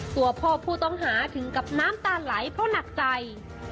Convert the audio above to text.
ตัวพ่อผู้ต้องหาถึงกับน้ำตาไหลเพราะหนักใจ